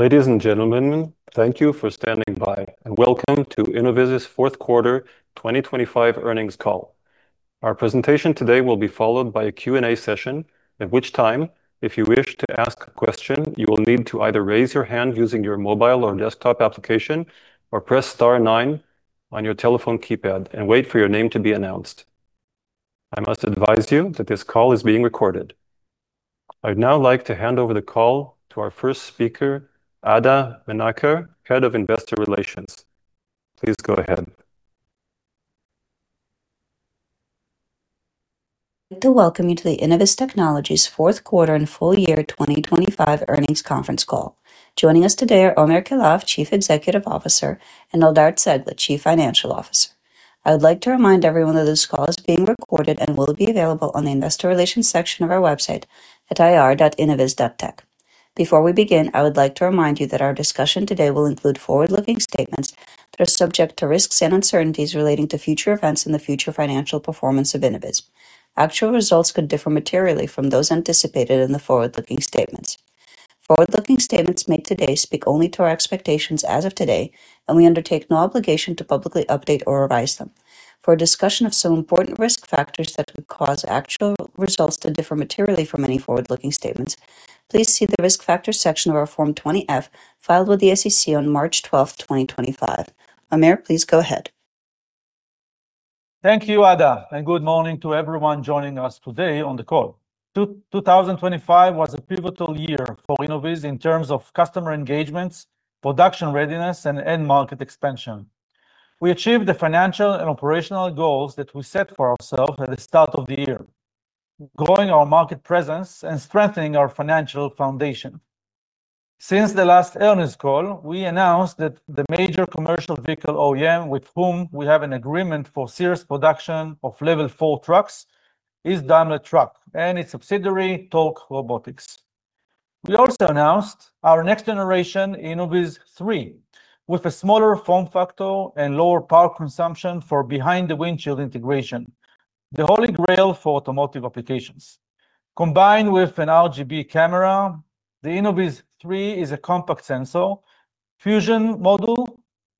Ladies and gentlemen, thank you for standing by. Welcome to Innoviz's Fourth Quarter 2025 Earnings Call. Our presentation today will be followed by a Q&A session, at which time, if you wish to ask a question, you will need to either raise your hand using your mobile or desktop application or press star nine on your telephone keypad and wait for your name to be announced. I must advise you that this call is being recorded. I'd now like to hand over the call to our first speaker, Ada Menaker, Head of Investor Relations. Please go ahead. I'd like to welcome you to the Innoviz Technologies Fourth Quarter and Full Year 2025 Earnings Conference Call. Joining us today are Omer Keilaf, Chief Executive Officer, and Eldar Cegla, Chief Financial Officer. I would like to remind everyone that this call is being recorded and will be available on the investor relations section of our website at ir.innoviz.tech. Before we begin, I would like to remind you that our discussion today will include forward-looking statements that are subject to risks and uncertainties relating to future events and the future financial performance of Innoviz. Actual results could differ materially from those anticipated in the forward-looking statements. Forward-looking statements made today speak only to our expectations as of today. We undertake no obligation to publicly update or revise them. For a discussion of some important risk factors that could cause actual results to differ materially from any forward-looking statements, please see the Risk Factors section of our Form 20-F, filed with the SEC on March 12th, 2025. Omer, please go ahead. Thank you, Ada. Good morning to everyone joining us today on the call. 2025 was a pivotal year for Innoviz in terms of customer engagements, production readiness, and end market expansion. We achieved the financial and operational goals that we set for ourselves at the start of the year, growing our market presence and strengthening our financial foundation. Since the last earnings call, we announced that the major commercial vehicle OEM, with whom we have an agreement for serious production of Level 4 trucks, is Daimler Truck and its subsidiary, Torc Robotics. We also announced our next generation, InnovizThree, with a smaller form factor and lower power consumption for behind-the-windshield integration, the holy grail for automotive applications. Combined with an RGB camera, the InnovizThree is a compact sensor fusion module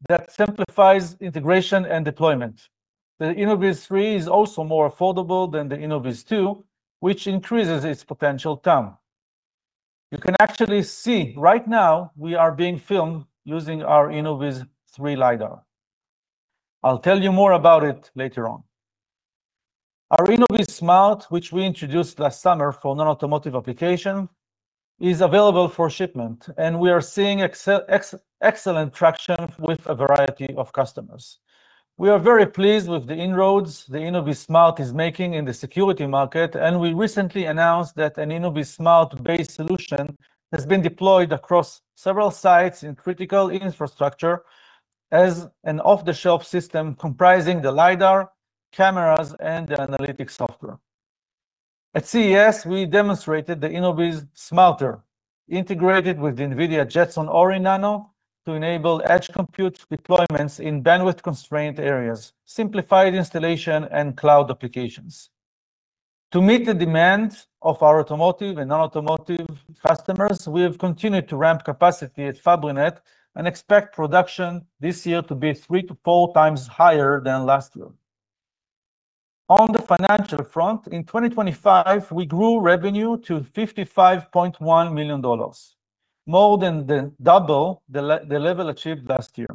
that simplifies integration and deployment. The InnovizThree is also more affordable than the InnovizTwo, which increases its potential TAM. You can actually see right now we are being filmed using our InnovizThree LiDAR. I'll tell you more about it later on. Our InnovizSMART, which we introduced last summer for non-automotive application, is available for shipment, and we are seeing excellent traction with a variety of customers. We are very pleased with the inroads the InnovizSMART is making in the security market, and we recently announced that an InnovizSMART-based solution has been deployed across several sites in critical infrastructure as an off-the-shelf system comprising the LiDAR, cameras, and the analytics software. At CES, we demonstrated the InnovizSMARTer, integrated with the NVIDIA Jetson Orin Nano to enable edge compute deployments in bandwidth-constrained areas, simplified installation and cloud applications. To meet the demand of our automotive and non-automotive customers, we have continued to ramp capacity at Fabrinet and expect production this year to be three to four times higher than last year. On the financial front, in 2025, we grew revenue to $55.1 million, more than double the level achieved last year.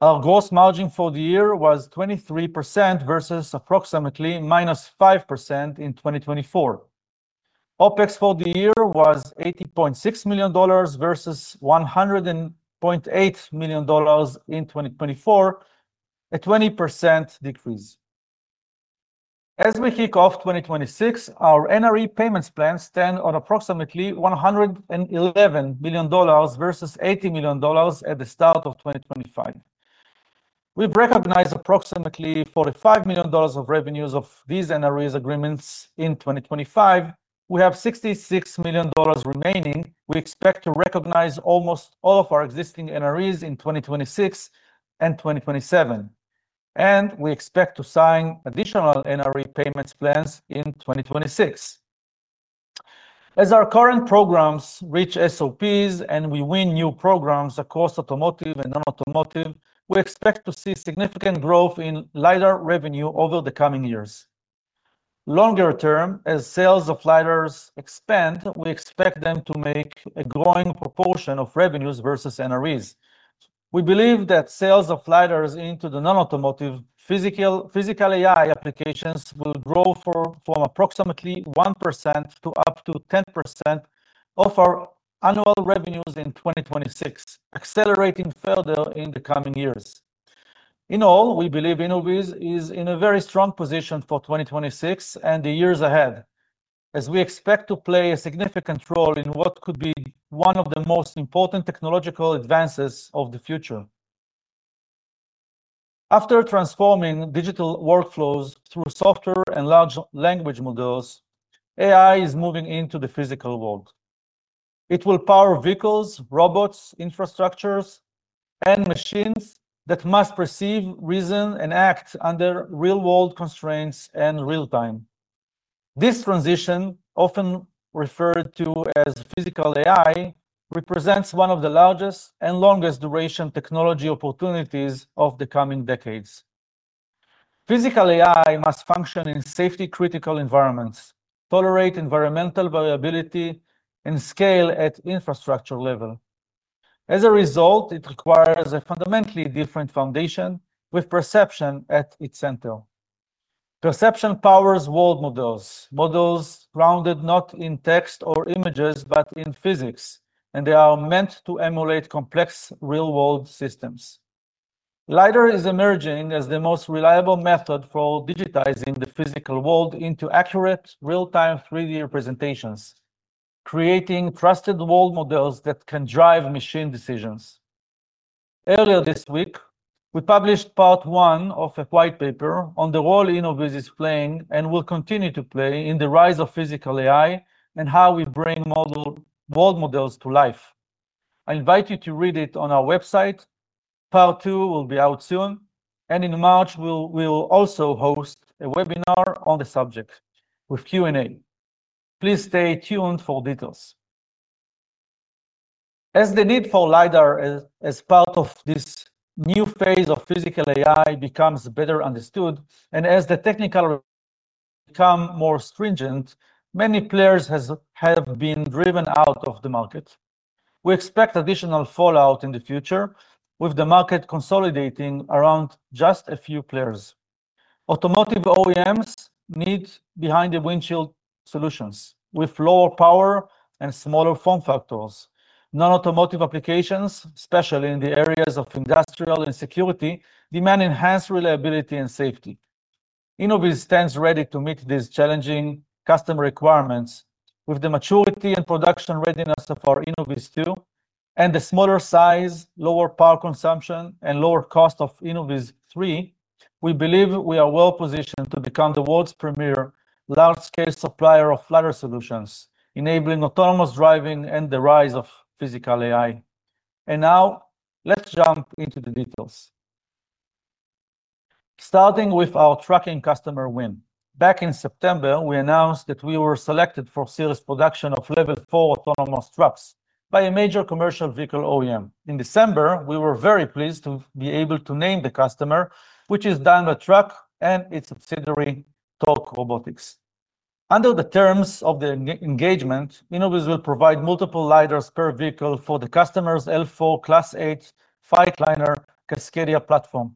Our gross margin for the year was 23% versus approximately -5% in 2024. OpEx for the year was $80.6 million versus $100.8 million in 2024, a 20% decrease. As we kick off 2026, our NRE payments plan stand on approximately $111 million versus $80 million at the start of 2025. We've recognized approximately $45 million of revenues of these NREs agreements in 2025. We have $66 million remaining. We expect to recognize almost all of our existing NREs in 2026 and 2027. We expect to sign additional NRE payments plans in 2026. As our current programs reach SOPs and we win new programs across automotive and non-automotive, we expect to see significant growth in LiDAR revenue over the coming years. Longer term, as sales of LiDARs expand, we expect them to make a growing proportion of revenues versus NREs. We believe that sales of LiDARs into the non-automotive physical AI applications will grow from approximately 1% to up to 10% of our annual revenues in 2026, accelerating further in the coming years. In all, we believe Innoviz is in a very strong position for 2026 and the years ahead, as we expect to play a significant role in what could be one of the most important technological advances of the future. After transforming digital workflows through software and large language models, AI is moving into the physical world. It will power vehicles, robots, infrastructures, and machines that must perceive, reason, and act under real-world constraints and real-time. This transition, often referred to as Physical AI, represents one of the largest and longest duration technology opportunities of the coming decades. Physical AI must function in safety-critical environments, tolerate environmental variability, and scale at infrastructure level. As a result, it requires a fundamentally different foundation, with perception at its center. Perception powers world models grounded not in text or images, but in physics, and they are meant to emulate complex real-world systems. LiDAR is emerging as the most reliable method for digitizing the physical world into accurate, real-time, three-year presentations, creating trusted world models that can drive machine decisions. Earlier this week, we published part one of a white paper on the role Innoviz is playing and will continue to play in the rise of physical AI and how we bring world models to life. I invite you to read it on our website. Part two will be out soon, and in March, we'll also host a webinar on the subject with Q&A. Please stay tuned for details. As the need for LiDAR as part of this new phase of physical AI becomes better understood, and as the technical become more stringent, many players have been driven out of the market. We expect additional fallout in the future, with the market consolidating around just a few players. Automotive OEMs need behind-the-windshield solutions with lower power and smaller form factors. Non-automotive applications, especially in the areas of industrial and security, demand enhanced reliability and safety. Innoviz stands ready to meet these challenging customer requirements. With the maturity and production readiness of our InnovizTwo, and the smaller size, lower power consumption, and lower cost of InnovizThree, we believe we are well positioned to become the world's premier large-scale supplier of LiDAR solutions, enabling autonomous driving and the rise of physical AI. Now, let's jump into the details. Starting with our trucking customer win. Back in September, we announced that we were selected for serious production of Level 4 autonomous trucks by a major commercial vehicle OEM. In December, we were very pleased to be able to name the customer, which is Daimler Truck and its subsidiary, Torc Robotics. Under the terms of the engagement, Innoviz will provide multiple LiDARs per vehicle for the customer's L4 Class 8 Freightliner Cascadia platform.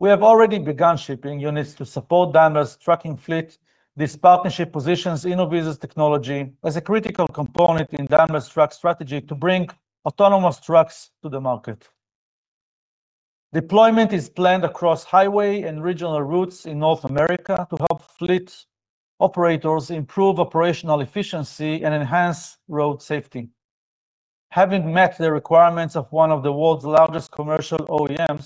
We have already begun shipping units to support Daimler's trucking fleet. This partnership positions Innoviz's technology as a critical component in Daimler's truck strategy to bring autonomous trucks to the market. Deployment is planned across highway and regional routes in North America to help fleet operators improve operational efficiency and enhance road safety. Having met the requirements of one of the world's largest commercial OEMs,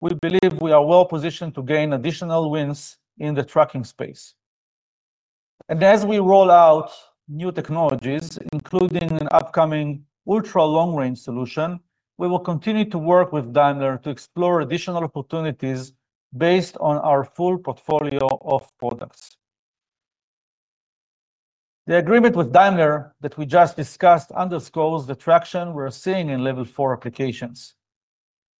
we believe we are well positioned to gain additional wins in the trucking space. As we roll out new technologies, including an upcoming ultra-long-range solution, we will continue to work with Daimler to explore additional opportunities based on our full portfolio of products. The agreement with Daimler that we just discussed underscores the traction we're seeing in Level 4 applications.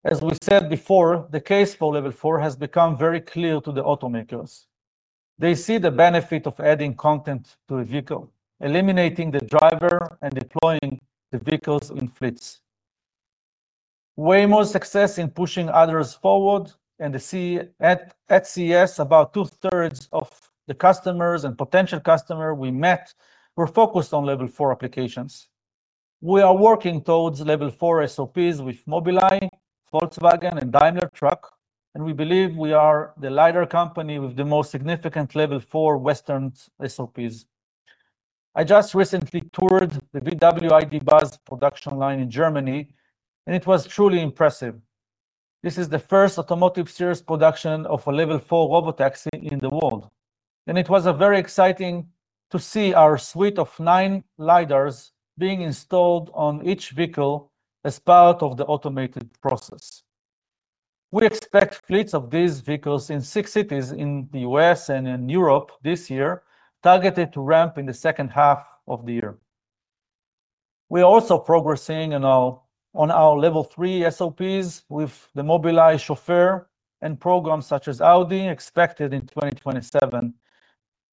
As we said before, the case for Level 4 has become very clear to the automakers. They see the benefit of adding content to a vehicle, eliminating the driver, and deploying the vehicles in fleets. Waymo's success in pushing others forward. At CES, about two-thirds of the customers and potential customer we met were focused on Level 4 applications. We are working towards Level 4 SOPs with Mobileye, Volkswagen, and Daimler Truck, and we believe we are the LiDAR company with the most significant Level 4 Western SOPs. I just recently toured the VW ID. Buzz production line in Germany, and it was truly impressive. This is the first automotive series production of a Level 4 robotaxi in the world, and it was a very exciting to see our suite of nine LiDARs being installed on each vehicle as part of the automated process. We expect fleets of these vehicles in six cities in the U.S. and in Europe this year, targeted to ramp in the second half of the year. We are also progressing on our Level 3 SOPs with the Mobileye Chauffeur and programs such as Audi, expected in 2027.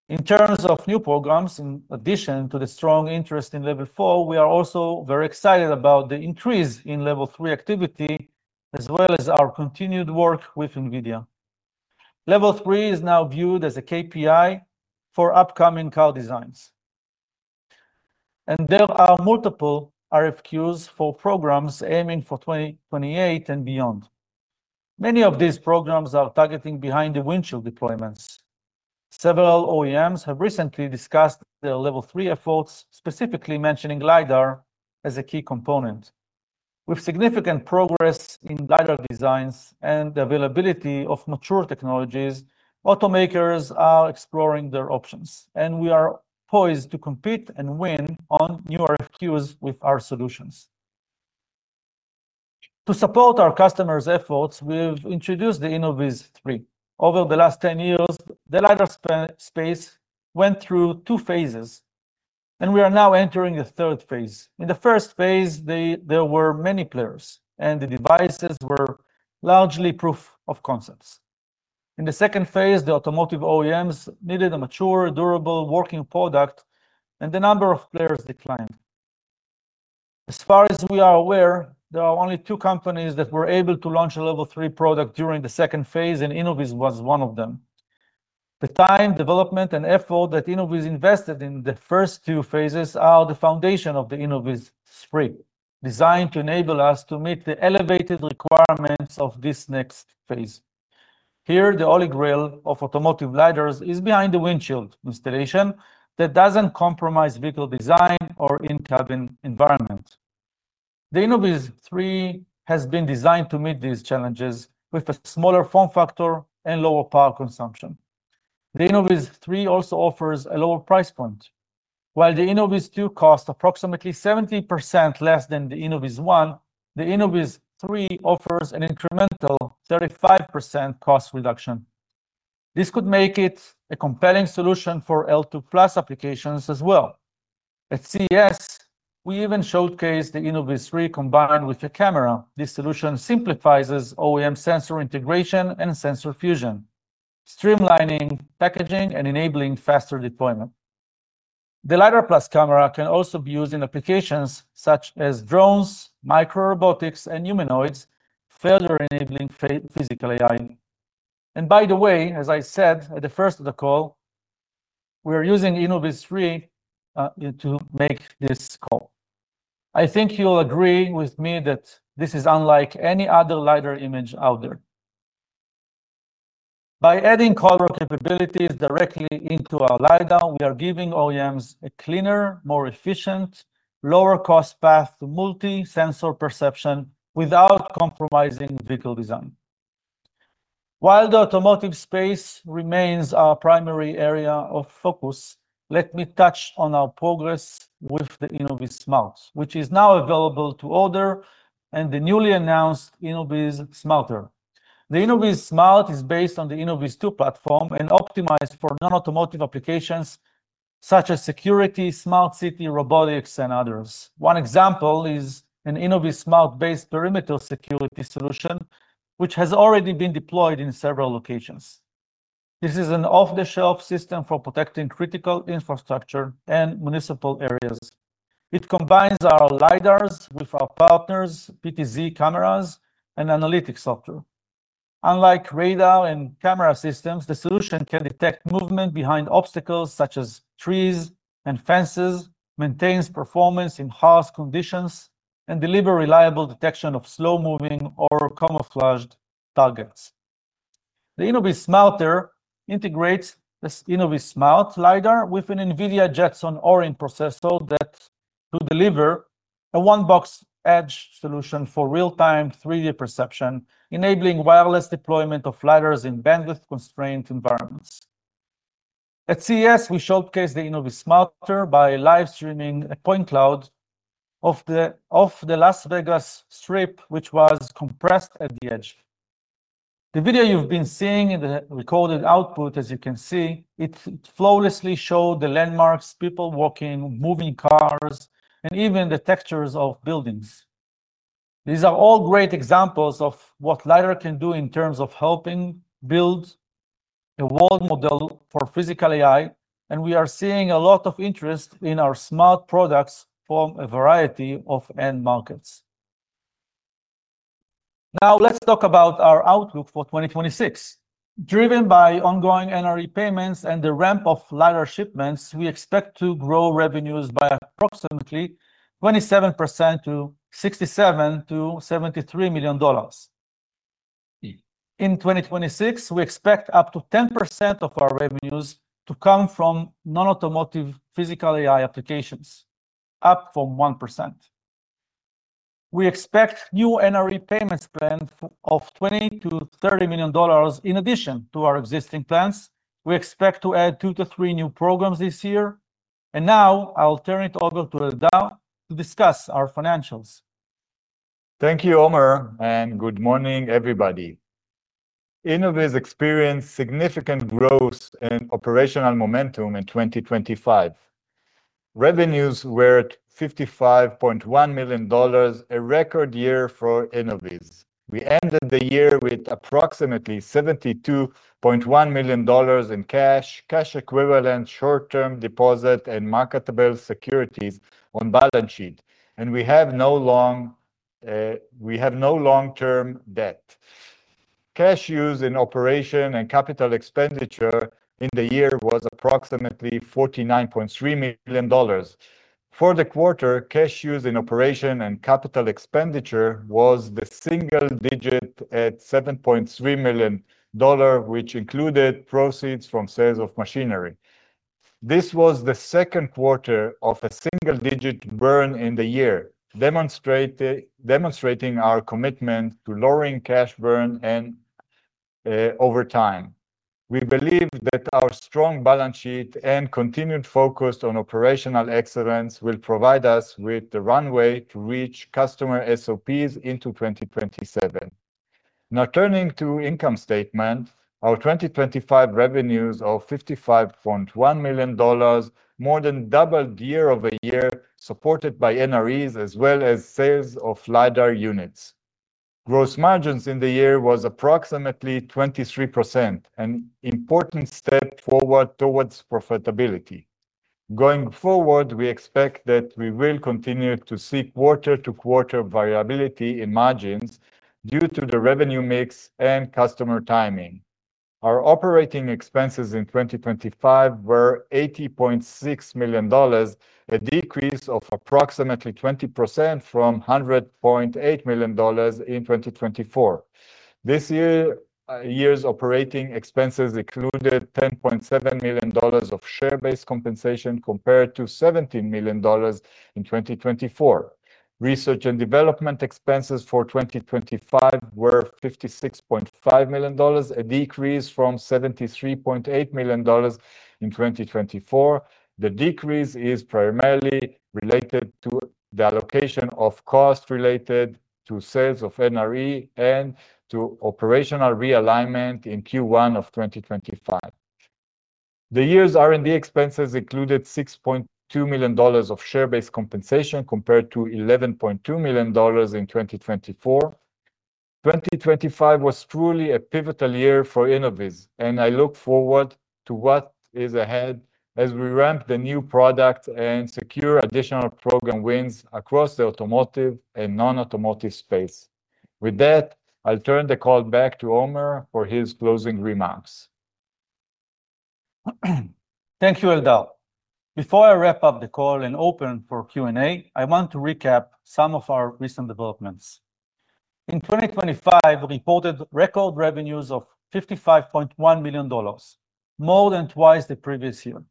In terms of new programs, in addition to the strong interest in Level 4, we are also very excited about the increase in Level 3 activity, as well as our continued work with NVIDIA. Level 3 is now viewed as a KPI for upcoming car designs, there are multiple RFQs for programs aiming for 2028 and beyond. Many of these programs are targeting behind-the-windshield deployments. Several OEMs have recently discussed their Level 3 efforts, specifically mentioning LiDAR as a key component. With significant progress in LiDAR designs and the availability of mature technologies, automakers are exploring their options. We are poised to compete and win on new RFQs with our solutions. To support our customers' efforts, we've introduced the InnovizThree. Over the last 10 years, the LiDAR space went through two phases. We are now entering a third phase. In the first phase, there were many players. The devices were largely proof of concepts. In the second phase, the automotive OEMs needed a mature, durable, working product. The number of players declined. As far as we are aware, there are only two companies that were able to launch a Level 3 product during the second phase. Innoviz was one of them. The time, development, and effort that Innoviz invested in the first two phases are the foundation of the InnovizThree, designed to enable us to meet the elevated requirements of this next phase. Here, the holy grail of automotive LiDARs is behind-the-windshield, installation that doesn't compromise vehicle design or in-cabin environment. The InnovizThree has been designed to meet these challenges with a smaller form factor and lower power consumption. The InnovizThree also offers a lower price point. While the InnovizTwo costs approximately 70% less than the InnovizOne, the InnovizThree offers an incremental 35% cost reduction. This could make it a compelling solution for L2+ applications as well. At CES, we even showcased the InnovizThree combined with a camera. This solution simplifies OEM sensor integration and sensor fusion, streamlining packaging, and enabling faster deployment. The LiDAR plus camera can also be used in applications such as drones, micro robotics, and humanoids, further enabling Physical AI. By the way, as I said at the first of the call, we are using InnovizThree to make this call. I think you'll agree with me that this is unlike any other LiDAR image out there. By adding color capabilities directly into our LiDAR, we are giving OEMs a cleaner, more efficient, lower cost path to multi-sensor perception without compromising vehicle design. While the automotive space remains our primary area of focus, let me touch on our progress with the InnovizSMART, which is now available to order, and the newly announced InnovizSMARTer. The InnovizSMART is based on the InnovizTwo platform and optimized for non-automotive applications such as security, smart city, robotics, and others. One example is an InnovizSMART-based perimeter security solution, which has already been deployed in several locations. This is an off-the-shelf system for protecting critical infrastructure and municipal areas. It combines our LiDARs with our partners' PTZ cameras and analytics software. Unlike radar and camera systems, the solution can detect movement behind obstacles such as trees and fences, maintains performance in harsh conditions, and deliver reliable detection of slow-moving or camouflaged targets. The InnovizSMARTer integrates this InnovizSMART LiDAR with an NVIDIA Jetson Orin processor that will deliver a one-box edge solution for real-time 3D perception, enabling wireless deployment of LiDARs in bandwidth-constrained environments. At CES, we showcased the InnovizSMARTer by live streaming a point cloud off the Las Vegas Strip, which was compressed at the edge. The video you've been seeing in the recorded output, as you can see, it flawlessly showed the landmarks, people walking, moving cars, and even the textures of buildings. These are all great examples of what LiDAR can do in terms of helping build a world model for Physical AI, and we are seeing a lot of interest in our Smart products from a variety of end markets. Now, let's talk about our outlook for 2026. Driven by ongoing NRE payments and the ramp of LiDAR shipments, we expect to grow revenues by approximately 27% to $67 million-$73 million. In 2026, we expect up to 10% of our revenues to come from non-automotive Physical AI applications, up from 1%. We expect new NRE payments plans of $20 million-$30 million in addition to our existing plans. We expect to add two to three new programs this year. Now I will turn it over to Eldad to discuss our financials. Thank you, Omer. Good morning, everybody. Innoviz experienced significant growth and operational momentum in 2025. Revenues were at $55.1 million, a record year for Innoviz. We ended the year with approximately $72.1 million in cash equivalent, short-term deposit, and marketable securities on balance sheet, and we have no long-term debt. Cash used in operation and capital expenditure in the year was approximately $49.3 million. For the quarter, cash used in operation and capital expenditure was the single digit at $7.3 million, which included proceeds from sales of machinery. This was the second quarter of a single-digit burn in the year, demonstrating our commitment to lowering cash burn over time. We believe that our strong balance sheet and continued focus on operational excellence will provide us with the runway to reach customer SOPs into 2027. Turning to income statement, our 2025 revenues of $55.1 million more than doubled year-over-year, supported by NREs as well as sales of LiDAR units. Gross margins in the year was approximately 23%, an important step forward towards profitability. Going forward, we expect that we will continue to see quarter-to-quarter variability in margins due to the revenue mix and customer timing. Our operating expenses in 2025 were $80.6 million, a decrease of approximately 20% from $100.8 million in 2024. This year's operating expenses included $10.7 million of share-based compensation, compared to $17 million in 2024. Research and development expenses for 2025 were $56.5 million, a decrease from $73.8 million in 2024. The decrease is primarily related to the allocation of costs related to sales of NRE and to operational realignment in Q1 of 2025. The year's R&D expenses included $6.2 million of share-based compensation, compared to $11.2 million in 2024. 2025 was truly a pivotal year for Innoviz, and I look forward to what is ahead as we ramp the new product and secure additional program wins across the automotive and non-automotive space. With that, I'll turn the call back to Omer for his closing remarks. Thank you, Eldad. Before I wrap up the call and open for Q&A, I want to recap some of our recent developments. In 2025, we reported record revenues of $55.1 million, more than twice the previous year.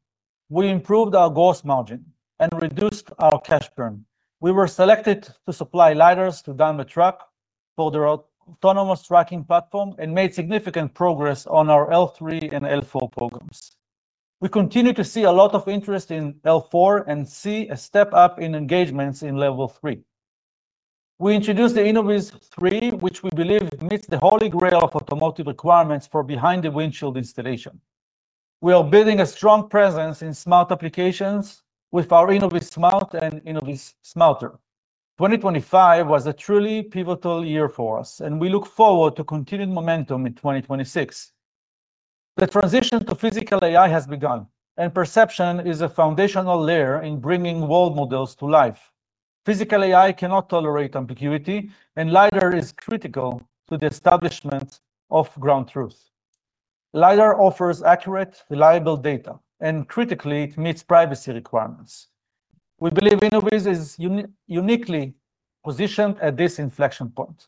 We improved our gross margin and reduced our cash burn. We were selected to supply LiDARs to Daimler Truck for their autonomous trucking platform, and made significant progress on our L3 and L4 programs. We continue to see a lot of interest in L4 and see a step-up in engagements in Level 3. We introduced the InnovizThree, which we believe meets the holy grail of automotive requirements for behind-the-windshield installation. We are building a strong presence in smart applications with our InnovizSMART and InnovizSMARTer. 2025 was a truly pivotal year for us, we look forward to continued momentum in 2026. The transition to Physical AI has begun. Perception is a foundational layer in bringing world models to life. Physical AI cannot tolerate ambiguity. LiDAR is critical to the establishment of ground truth. LiDAR offers accurate, reliable data, and critically, it meets privacy requirements. We believe Innoviz is uniquely positioned at this inflection point.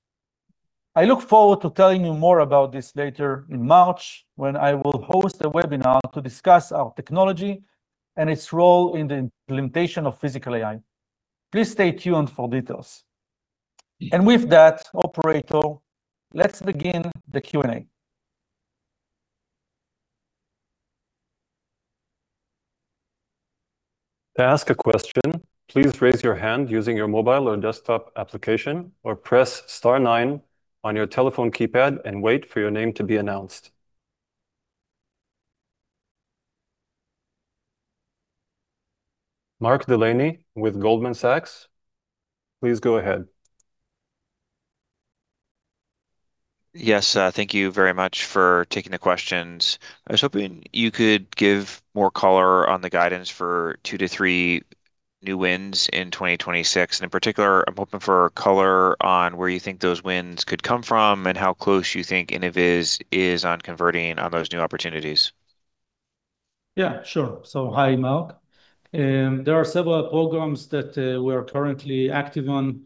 I look forward to telling you more about this later in March, when I will host a webinar to discuss our technology and its role in the implementation of Physical AI. Please stay tuned for details. With that, operator, let's begin the Q&A. To ask a question, please raise your hand using your mobile or desktop application, or press star nine on your telephone keypad and wait for your name to be announced. Mark Delaney with Goldman Sachs, please go ahead. Yes, thank you very much for taking the questions. I was hoping you could give more color on the guidance for two to three new wins in 2026. In particular, I'm hoping for color on where you think those wins could come from and how close you think Innoviz is on converting on those new opportunities. Yeah, sure. Hi, Mark. There are several programs that we are currently active on,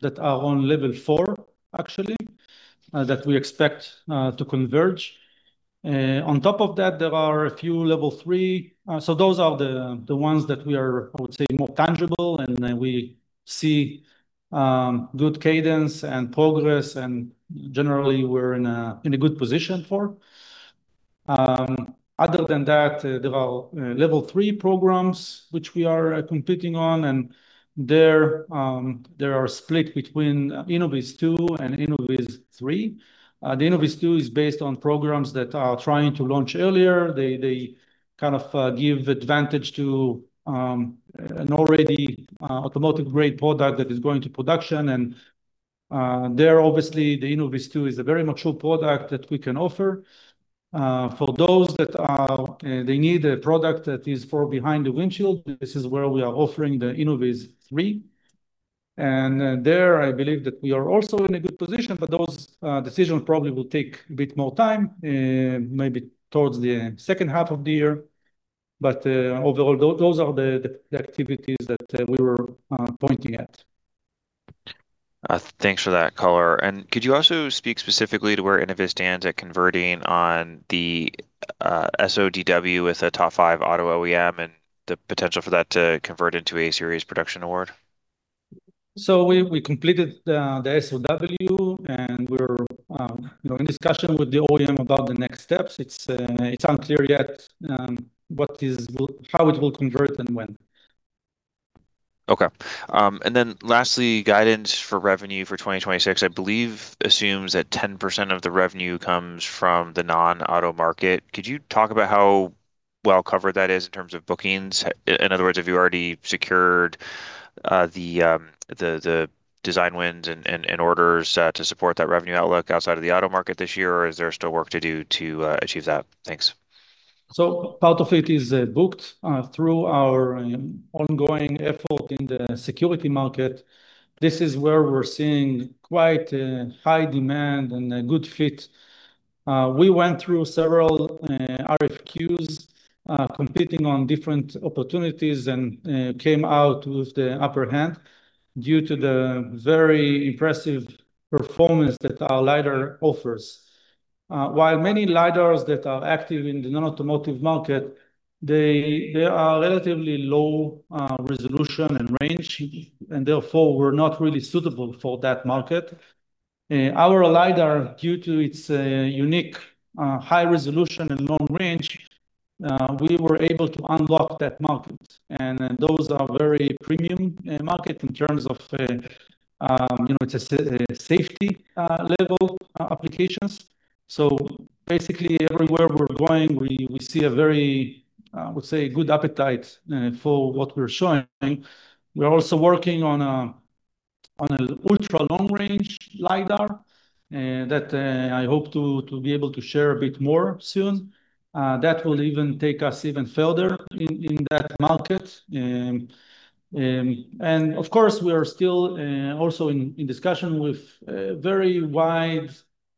that are on Level 4, actually, that we expect to converge. On top of that, there are a few Level 3. Those are the ones that we are, I would say, more tangible, and then we see good cadence and progress, and generally, we're in a, in a good position for. Other than that, there are Level 3 programs which we are competing on, and they're, they are split between InnovizTwo and InnovizThree. The InnovizTwo is based on programs that are trying to launch earlier. They, they kind of, give advantage to an already automotive-grade product that is going to production. There, obviously, the InnovizTwo is a very mature product that we can offer. For those that are, they need a product that is for behind the windshield, this is where we are offering the InnovizThree. There, I believe that we are also in a good position, but those decisions probably will take a bit more time, maybe towards the second half of the year. Overall, those are the activities that we were pointing at. Thanks for that color. Could you also speak specifically to where Innoviz stands at converting on the SODW with a top five auto OEM and the potential for that to convert into a series production award? We completed the SOW, and we're, you know, in discussion with the OEM about the next steps. It's unclear yet, what is how it will convert and when. Okay. Lastly, guidance for revenue for 2026, I believe assumes that 10% of the revenue comes from the non-auto market. Could you talk about how well covered that is in terms of bookings? In other words, have you already secured the design wins and orders to support that revenue outlook outside of the auto market this year? Or is there still work to do to achieve that? Thanks. Part of it is booked through our ongoing effort in the security market. This is where we're seeing quite a high demand and a good fit. We went through several RFQs, competing on different opportunities, and came out with the upper hand due to the very impressive performance that our LiDAR offers. While many LiDARs that are active in the non-automotive market, they are relatively low resolution and range, and therefore were not really suitable for that market. Our LiDAR, due to its unique high resolution and long range, we were able to unlock that market, and those are very premium market in terms of, you know, it's a safety level applications. Basically, everywhere we're going, we see a very, I would say, good appetite for what we're showing. We're also working on a ultra-long-range LiDAR that I hope to be able to share a bit more soon. That will even take us even further in that market. Of course, we are still also in discussion with a very wide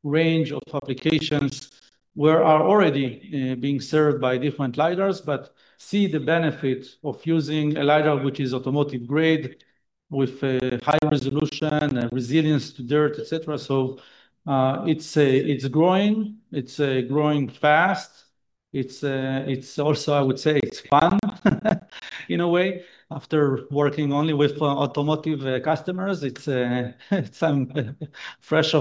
range of applications where are already being served by different LiDARs, but see the benefit of using a LiDAR, which is automotive grade with a high resolution, a resilience to dirt, et cetera. It's growing. It's growing fast. It's also, I would say, it's fun, in a way. After working only with automotive customers, it's some fresh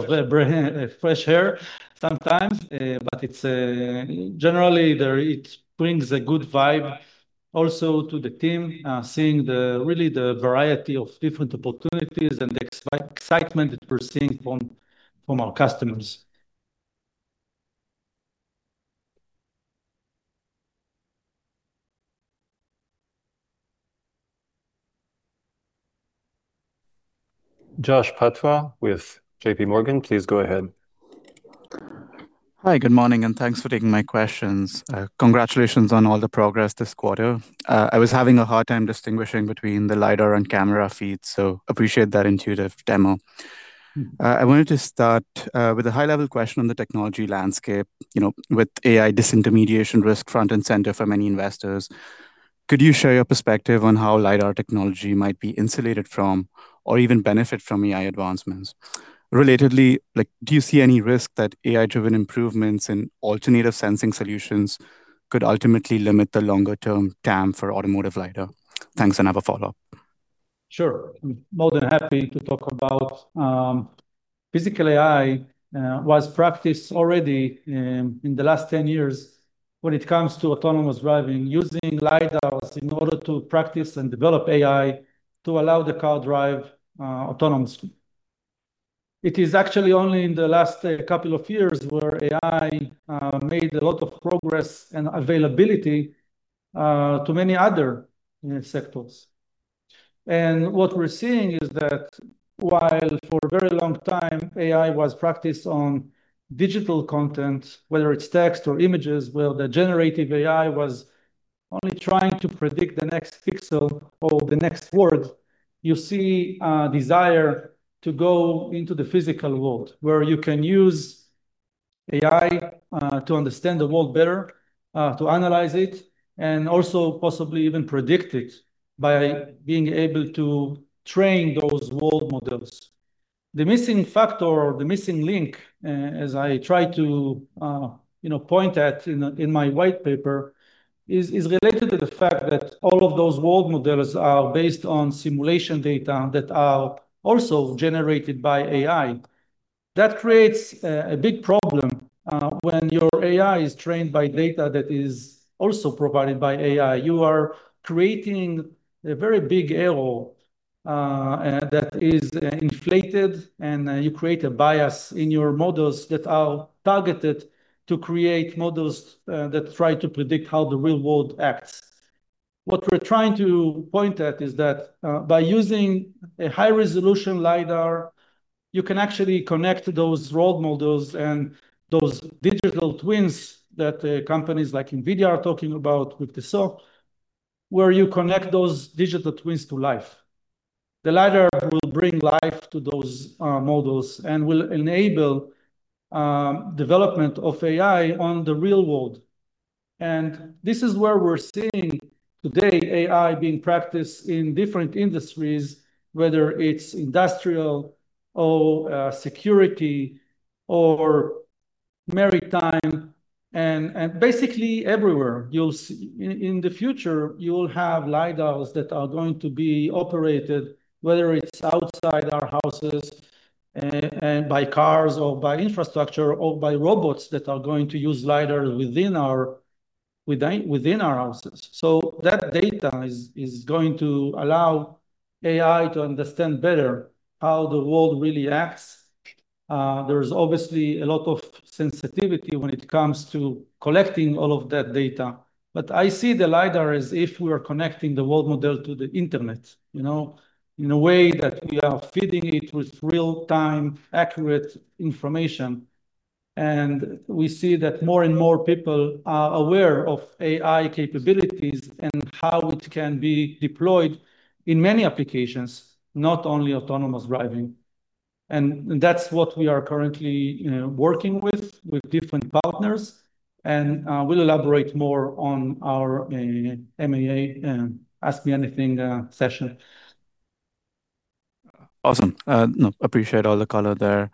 air sometimes. It's generally, there it brings a good vibe also to the team, seeing the really the variety of different opportunities and the excitement that we're seeing from our customers. Jash Patwa with JPMorgan, please go ahead. Hi, good morning. Thanks for taking my questions. Congratulations on all the progress this quarter. I was having a hard time distinguishing between the LiDAR and camera feeds, so appreciate that intuitive demo. I wanted to start with a high-level question on the technology landscape. You know, with AI disintermediation risk front and center for many investors, could you share your perspective on how LiDAR technology might be insulated from or even benefit from AI advancements? Relatedly, like, do you see any risk that AI-driven improvements in alternative sensing solutions could ultimately limit the longer-term TAM for automotive LiDAR? Thanks. I have a follow-up. Sure. I'm more than happy to talk about. Physical AI was practiced already in the last 10 years when it comes to autonomous driving, using LiDARs in order to practice and develop AI to allow the car drive autonomously. It is actually only in the last couple of years where AI made a lot of progress and availability to many other sectors. What we're seeing is that while for a very long time AI was practiced on digital content, whether it's text or images, where the generative AI was only trying to predict the next pixel or the next word, you see a desire to go into the physical world, where you can use AI to understand the world better, to analyze it, and also possibly even predict it by being able to train those world models. The missing factor or the missing link, as I tried to, you know, point at in my white paper, is related to the fact that all of those world models are based on simulation data that are also generated by AI. That creates a big problem. When your AI is trained by data that is also provided by AI, you are creating a very big error that is inflated, and you create a bias in your models that are targeted to create models that try to predict how the real world acts. What we're trying to point at is that by using a high-resolution LiDAR, you can actually connect those world models and those digital twins that companies like NVIDIA are talking about with the SOAK, where you connect those digital twins to life. The LiDAR will bring life to those models and will enable development of AI on the real world. This is where we're seeing today AI being practiced in different industries, whether it's industrial or security, or maritime, and basically everywhere. You'll see, in the future, you'll have LiDARs that are going to be operated, whether it's outside our houses, and by cars or by infrastructure or by robots that are going to use LiDAR within our houses. That data is going to allow AI to understand better how the world really acts. There's obviously a lot of sensitivity when it comes to collecting all of that data, but I see the LiDAR as if we are connecting the world model to the Internet, you know, in a way that we are feeding it with real-time, accurate information. We see that more and more people are aware of AI capabilities and how it can be deployed in many applications, not only autonomous driving, and that's what we are currently, you know, working with different partners. We'll elaborate more on our AMA, Ask Me Anything, session. Awesome. No, appreciate all the color there.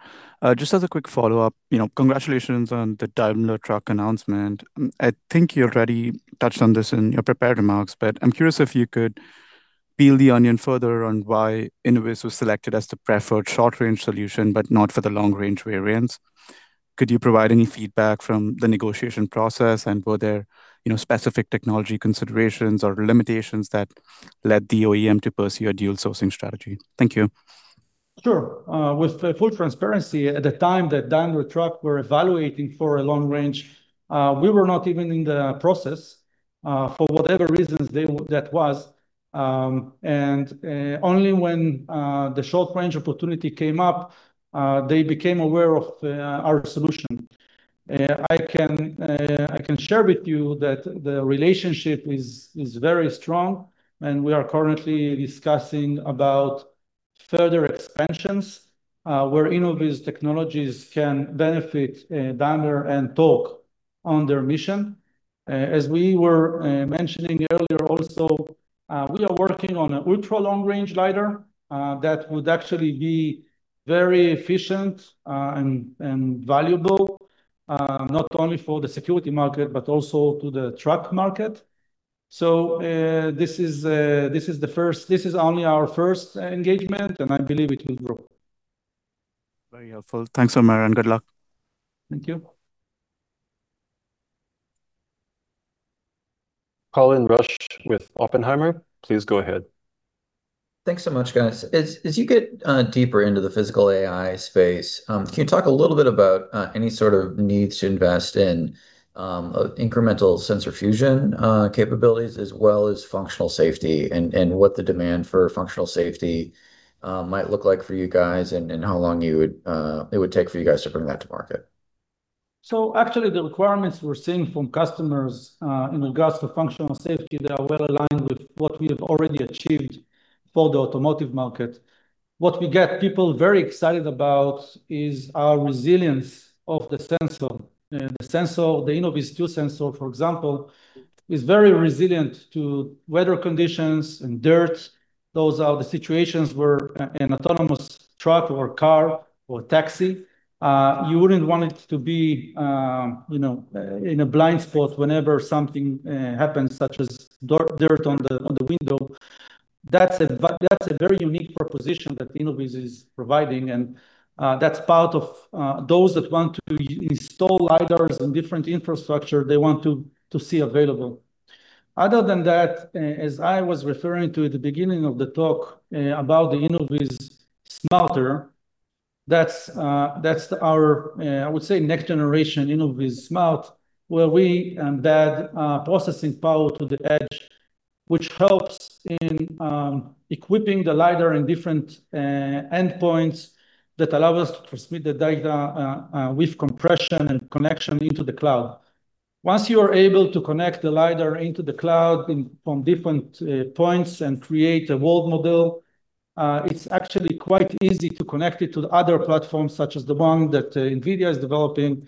Just as a quick follow-up, you know, congratulations on the Daimler Truck announcement. I think you already touched on this in your prepared remarks, but I'm curious if you could peel the onion further on why Innoviz was selected as the preferred short-range solution, but not for the long-range variants. Could you provide any feedback from the negotiation process? Were there, you know, specific technology considerations or limitations that led the OEM to pursue a dual sourcing strategy? Thank you. Sure. With full transparency, at the time that Daimler Truck were evaluating for a long range, we were not even in the process, for whatever reasons they, that was. Only when the short range opportunity came up, they became aware of our solution. I can share with you that the relationship is very strong, and we are currently discussing about further expansions, where Innoviz Technologies can benefit Daimler and Torc on their mission. As we were mentioning earlier also, we are working on an ultra-long-range LiDAR, that would actually be very efficient and valuable not only for the security market, but also to the truck market. This is only our first engagement, and I believe it will grow. Very helpful. Thanks, Omer, and good luck. Thank you. Colin Rusch with Oppenheimer, please go ahead. Thanks so much, guys. As you get deeper into the Physical AI space, can you talk a little bit about any sort of needs to invest in incremental sensor fusion capabilities as well as functional safety, and what the demand for functional safety might look like for you guys, and how long it would take for you guys to bring that to market? Actually, the requirements we're seeing from customers, in regards to functional safety, they are well aligned with what we have already achieved for the automotive market. What we get people very excited about is our resilience of the sensor. The sensor, the InnovizTwo sensor, for example, is very resilient to weather conditions and dirt. Those are the situations where an autonomous truck or car or taxi, you wouldn't want it to be, you know, in a blind spot whenever something happens, such as dirt on the window. That's a very unique proposition that Innoviz is providing, and that's part of those that want to install LiDARs in different infrastructure they want to see available. Other than that, as I was referring to at the beginning of the talk, about the InnovizSMARTer, that's that's our, I would say, next generation InnovizSMART, where we add processing power to the edge, which helps in equipping the LiDAR in different endpoints that allow us to transmit the data with compression and connection into the cloud. Once you are able to connect the LiDAR into the cloud in, from different points and create a world model, it's actually quite easy to connect it to the other platforms, such as the one that NVIDIA is developing,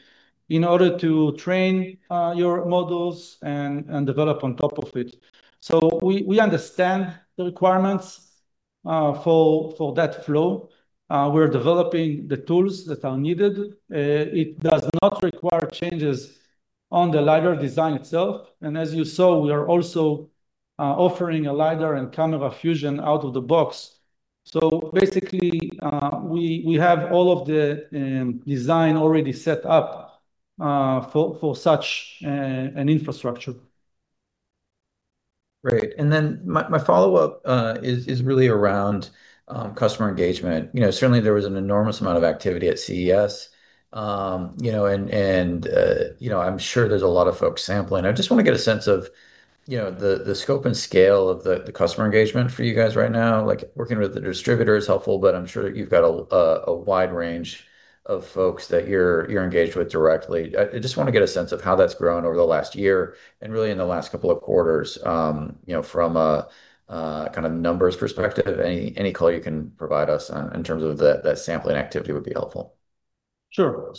in order to train your models and develop on top of it. We understand the requirements for that flow. We're developing the tools that are needed. It does not require changes on the LiDAR design itself, and as you saw, we are also offering a LiDAR and camera fusion out of the box. Basically, we have all of the design already set up, for such an infrastructure. Great. My follow-up is really around customer engagement. You know, certainly there was an enormous amount of activity at CES. You know, I'm sure there's a lot of folks sampling. I just want to get a sense of, you know, the scope and scale of the customer engagement for you guys right now. Like, working with the distributor is helpful, but I'm sure you've got a wide range of folks that you're engaged with directly. I just want to get a sense of how that's grown over the last year, and really in the last couple of quarters, you know, from a kind of numbers perspective. Any color you can provide us on, in terms of the, that sampling activity would be helpful. Sure.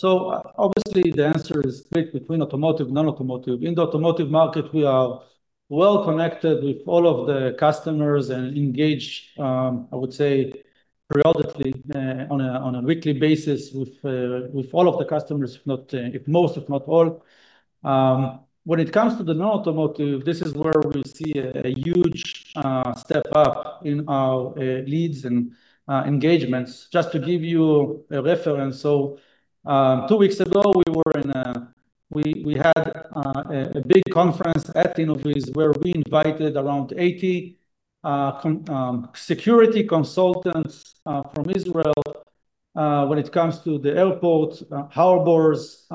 Obviously, the answer is split between automotive and non-automotive. In the automotive market, we are well connected with all of the customers and engaged, I would say periodically, on a weekly basis with all of the customers, if not, if most, if not all. When it comes to the non-automotive, this is where we see a huge step up in our leads and engagements. Just to give you a reference, two weeks ago, we had a big conference at Innoviz, where we invited around 80 security consultants from Israel, when it comes to the airports, harbors,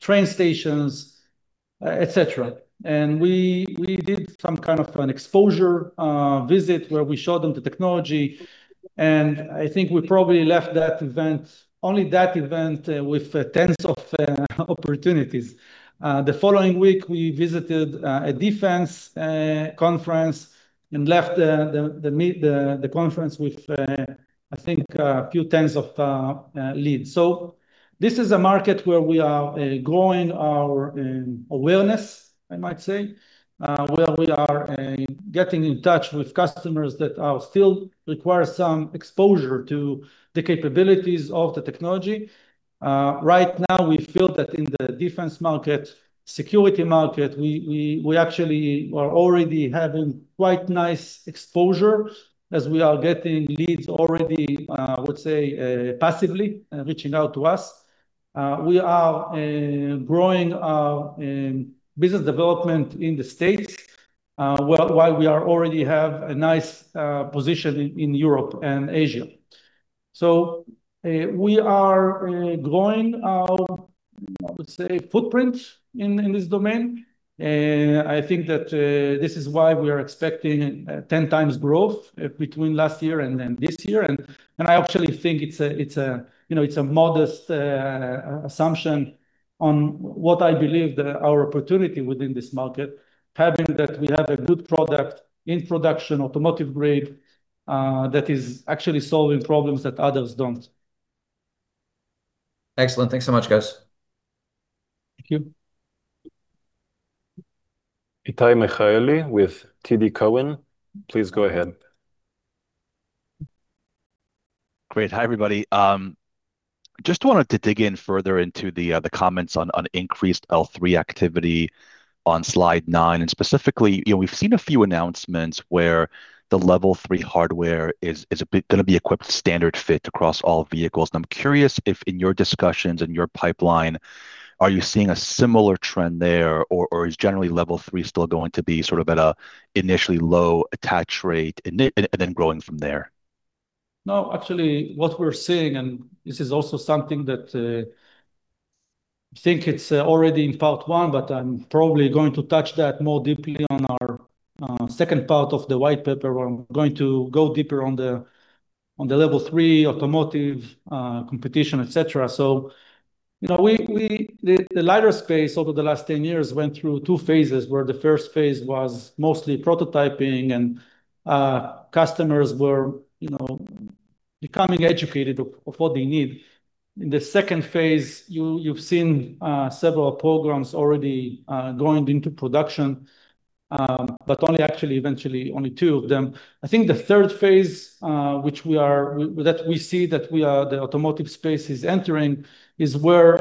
train stations, et cetera. We did some kind of an exposure visit, where we showed them the technology, and I think we probably left that event, only that event, with tens of opportunities. The following week, we visited a defense conference and left the conference with, I think, a few tens of leads. This is a market where we are growing our awareness, I might say, where we are getting in touch with customers that are still require some exposure to the capabilities of the technology. Right now, we feel that in the defense market, security market, we actually are already having quite nice exposure as we are getting leads already, I would say, passively reaching out to us. We are growing our business development in the States, while we are already have a nice position in Europe and Asia. We are growing our, I would say, footprint in this domain. I think that this is why we are expecting 10x growth between last year and this year. I actually think it's a, you know, it's a modest assumption on what I believe our opportunity within this market, having that we have a good product in production, automotive grade, that is actually solving problems that others don't. Excellent. Thanks so much, guys. Thank you. Itay Michaeli with TD Cowen, please go ahead. Great. Hi, everybody. just wanted to dig in further into the comments on increased L3 activity on Slide Nine, Specifically, you know, we've seen a few announcements where the Level 3 hardware is gonna be equipped standard fit across all vehicles. I'm curious if in your discussions and your pipeline, are you seeing a similar trend there, or is generally Level 3 still going to be sort of at a initially low attach rate and then growing from there? No, actually, what we're seeing, and this is also something that, I think it's already in part one, but I'm probably going to touch that more deeply on our second part of the white paper, where I'm going to go deeper on the Level 3 automotive competition, et cetera. You know, we the LiDAR space over the last 10 years went through two phases, where the first phase was mostly prototyping and customers were, you know, becoming educated of what they need. In the second phase, you've seen several programs already going into production, but only actually, eventually, only two of them. I think the third phase, which we see that we are, the automotive space is entering, is where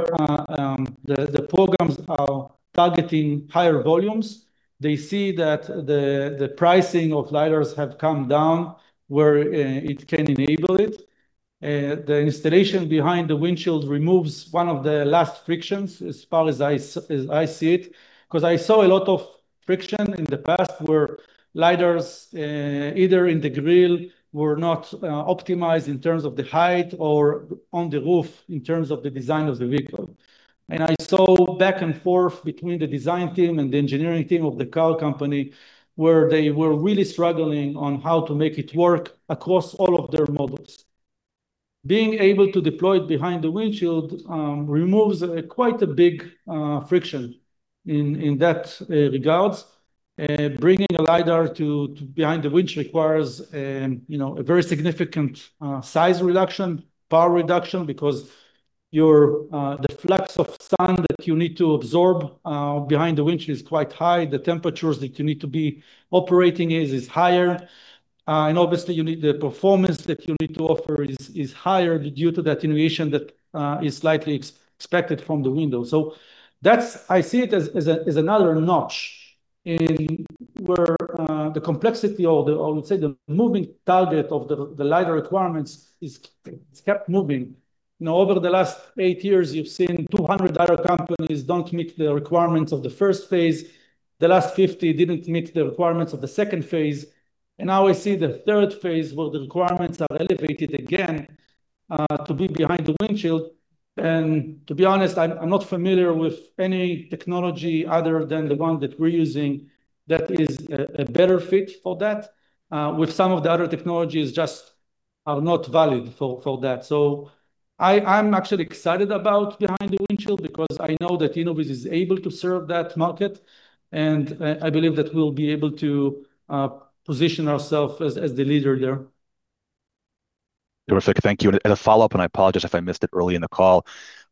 the programs are targeting higher volumes. They see that the pricing of LiDARs have come down, where it can enable it. The installation behind-the-windshield removes one of the last frictions, as far as I see it. 'Cause I saw a lot of friction in the past, where LiDARs, either in the grill, were not optimized in terms of the height or on the roof, in terms of the design of the vehicle. I saw back and forth between the design team and the engineering team of the car company, where they were really struggling on how to make it work across all of their models. Being able to deploy it behind-the-windshield removes quite a big friction in that regards. Bringing a LiDAR to behind the windshield requires, you know, a very significant size reduction, power reduction, because your the flux of sun that you need to absorb behind the windshield is quite high. The temperatures that you need to be operating is higher. Obviously, the performance that you need to offer is higher due to the attenuation that is slightly expected from the window. I see it as another notch in where the complexity or the, I would say, the moving target of the LiDAR requirements is, it's kept moving. You know, over the last eight years, you've seen 200 LiDAR companies don't meet the requirements of the first phase. The last 50 didn't meet the requirements of the second phase. Now I see the third phase, where the requirements are elevated again, to be behind the windshield. To be honest, I'm not familiar with any technology other than the one that we're using that is a better fit for that. With some of the other technologies just are not valid for that. I'm actually excited about behind the windshield because I know that Innoviz is able to serve that market, and I believe that we'll be able to position ourself as the leader there. Terrific. Thank you. A follow-up, and I apologize if I missed it early in the call,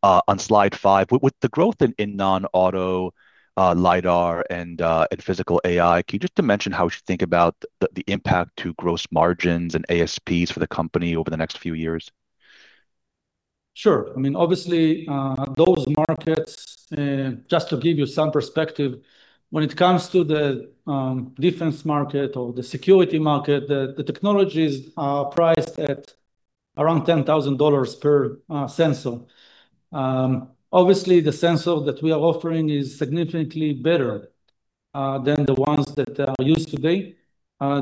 on Slide Five, with the growth in non-auto, LiDAR and Physical AI, can you just dimension how we should think about the impact to gross margins and ASPs for the company over the next few years? Sure. I mean, obviously, those markets, just to give you some perspective, when it comes to the defense market or the security market, the technologies are priced at around $10,000 per sensor. Obviously, the sensor that we are offering is significantly better than the ones that are used today,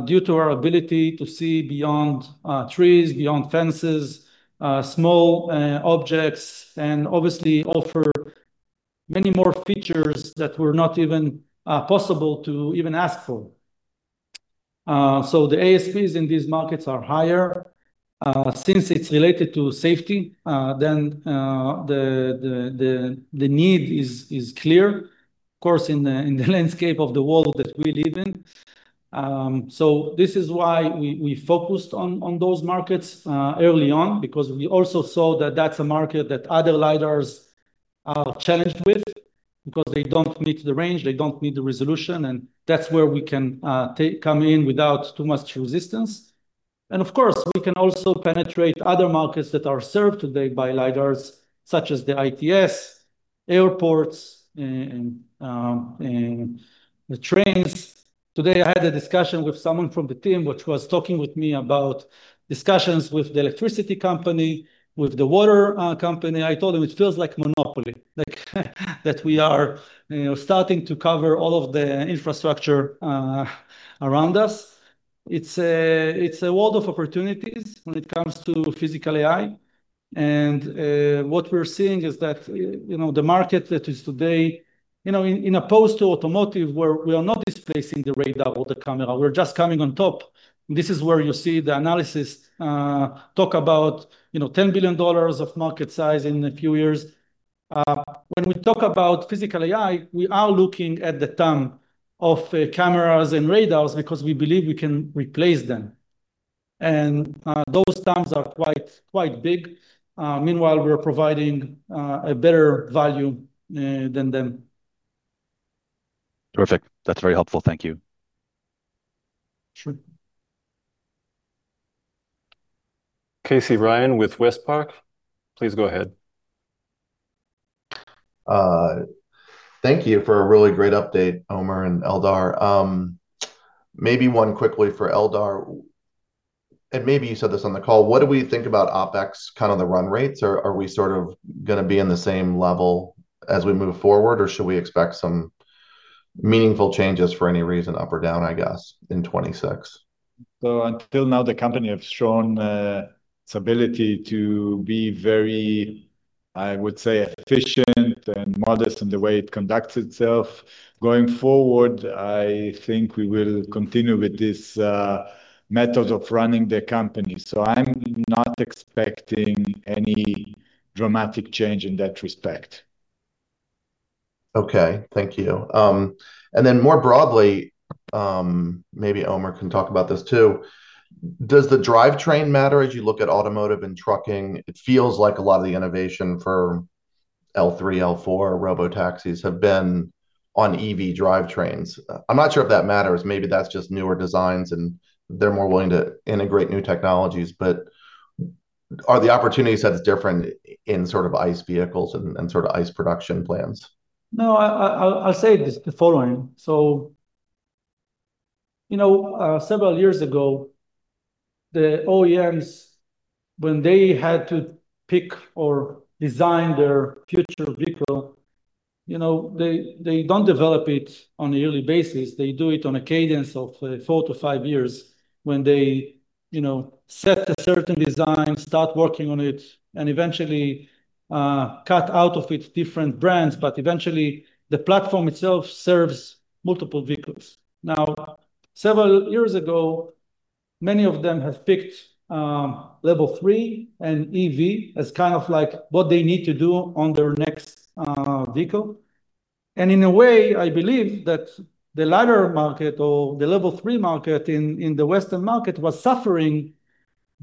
due to our ability to see beyond trees, beyond fences, small objects, and obviously offer many more features that were not even possible to even ask for. The ASPs in these markets are higher. Since it's related to safety, then the need is clear, of course, in the landscape of the world that we live in. This is why we focused on those markets early on, because we also saw that that's a market that other LiDARs are challenged with, because they don't meet the range, they don't meet the resolution, and that's where we can come in without too much resistance. Of course, we can also penetrate other markets that are served today by LiDARs, such as the ITS, airports, and the trains. Today, I had a discussion with someone from the team, which was talking with me about discussions with the electricity company, with the water company. I told him, it feels like monopoly, like, that we are, you know, starting to cover all of the infrastructure around us. It's a world of opportunities when it comes to Physical AI, and what we're seeing is that, you know, the market that is today. You know, in opposed to automotive, where we are not displacing the radar or the camera, we're just coming on top. This is where you see the analysis talk about, you know, $10 billion of market size in a few years. When we talk about Physical AI, we are looking at the tongue of cameras and radars because we believe we can replace them, and those tongues are quite big. Meanwhile, we're providing a better value than them. Perfect. That's very helpful, thank you. Sure. Casey Ryan with WestPark, please go ahead. Thank you for a really great update, Omer and Eldar. Maybe one quickly for Eldar, and maybe you said this on the call, what do we think about OpEx, kind of the run rates? Are we sort of gonna be in the same level as we move forward, or should we expect some meaningful changes for any reason, up or down, I guess, in 26? Until now, the company have shown its ability to be very, I would say, efficient and modest in the way it conducts itself. Going forward, I think we will continue with this method of running the company, so I'm not expecting any dramatic change in that respect. Okay, thank you. More broadly, maybe Omer can talk about this too. Does the drivetrain matter as you look at automotive and trucking? It feels like a lot of the innovation for L3, L4 robotaxis have been on EV drivetrains. I'm not sure if that matters. Maybe that's just newer designs, and they're more willing to integrate new technologies. Are the opportunity sets different in sort of ICE vehicles and sort of ICE production plans? I'll say this, the following: You know, several years ago, the OEMs, when they had to pick or design their future vehicle, you know, they don't develop it on a yearly basis. They do it on a cadence of four to five years, when they, you know, set a certain design, start working on it, and eventually, cut out of it different brands. Eventually, the platform itself serves multiple vehicles. Several years ago, many of them have picked Level 3 and EV as kind of like what they need to do on their next vehicle. In a way, I believe that the latter market or the Level 3 market in the Western market was suffering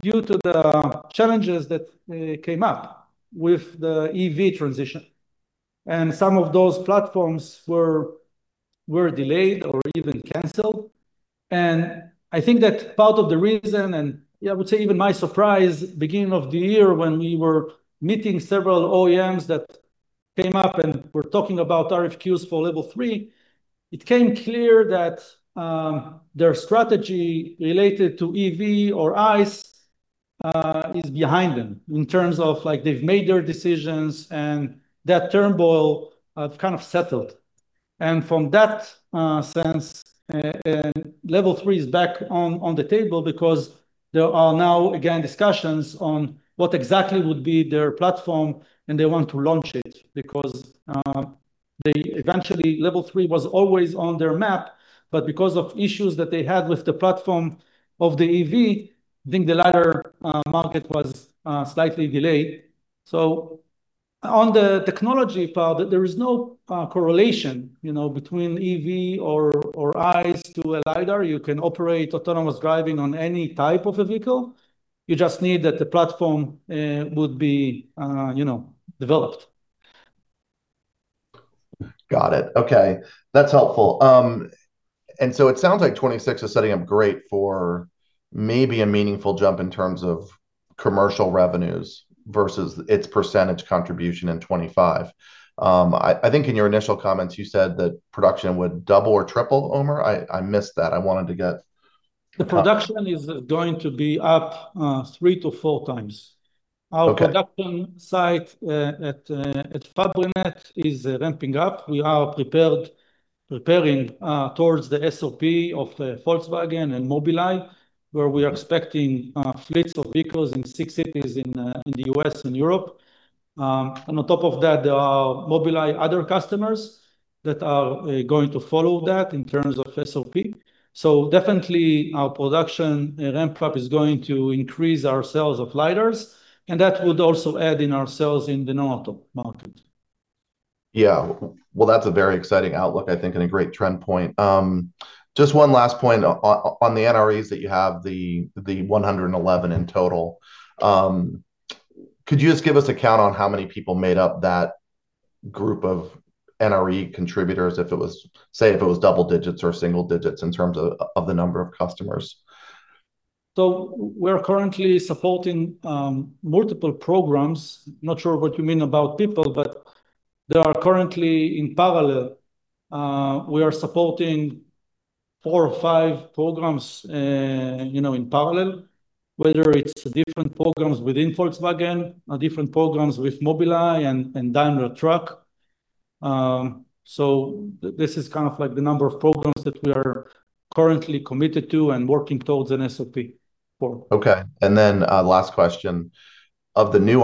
due to the challenges that came up with the EV transition, and some of those platforms were delayed or even canceled. I think that part of the reason, and I would say even my surprise, beginning of the year, when we were meeting several OEMs that came up and were talking about RFQs for Level 3, it came clear that their strategy related to EV or ICE is behind them in terms of, like, they've made their decisions, and that turmoil have kind of settled. From that sense, and Level 3 is back on the table because there are now, again, discussions on what exactly would be their platform, and they want to launch it. Because they, eventually, Level 3 was always on their map, but because of issues that they had with the platform of the EV, I think the latter market was slightly delayed. On the technology part, there is no correlation, you know, between EV or ICE to a LiDAR. You can operate autonomous driving on any type of a vehicle. You just need that the platform would be, you know, developed. Got it. Okay, that's helpful. It sounds like 2026 is setting up great for maybe a meaningful jump in terms of commercial revenues versus its percentage contribution in 2025. I think in your initial comments you said that production would double or triple, Omer? I missed that. The production is going to be up, 3x to 4x. Okay. Our production site at Fabrinet is ramping up. We are preparing towards the SOP of the Volkswagen and Mobileye, where we are expecting fleets of vehicles in six cities in the U.S. and Europe. On top of that, there are Mobileye other customers that are going to follow that in terms of SOP. Definitely, our production and ramp-up is going to increase our sales of LiDARs, and that would also add in our sales in the non-auto market. Well, that's a very exciting outlook, I think, and a great trend point. Just one last point on the NREs that you have, the 111 in total, could you just give us a count on how many people made up that group of NRE contributors, say, if it was double digits or single digits in terms of the number of customers? We are currently supporting, multiple programs. Not sure what you mean about people, but there are currently in parallel, we are supporting four or five programs, you know, in parallel, whether it's different programs within Volkswagen or different programs with Mobileye and Daimler Truck. This is kind of like the number of programs that we are currently committed to and working towards an SOP for. Okay. Last question, of the new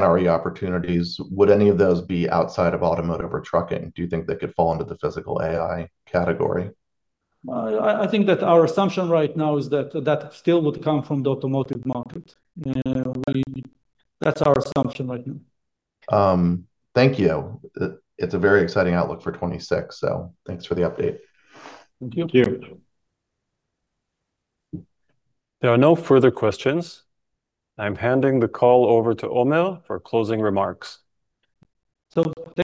NRE opportunities, would any of those be outside of automotive or trucking? Do you think they could fall under the Physical AI category? I think that our assumption right now is that that still would come from the automotive market. You know, we, that's our assumption right now. Thank you. It's a very exciting outlook for 2026, so thanks for the update. Thank you. Thank you. There are no further questions. I'm handing the call over to Omer for closing remarks.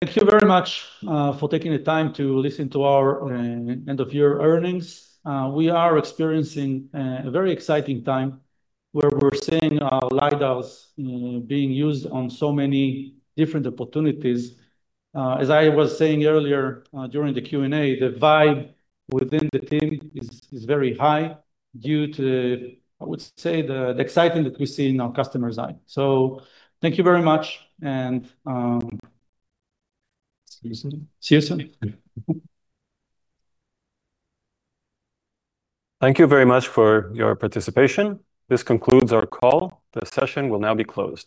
Thank you very much for taking the time to listen to our end-of-year earnings. We are experiencing a very exciting time, where we're seeing our LiDARs, you know, being used on so many different opportunities. As I was saying earlier, during the Q&A, the vibe within the team is very high due to, I would say, the excitement that we see in our customers' eyes. Thank you very much, and see you soon. See you soon. Thank you very much for your participation. This concludes our call. The session will now be closed.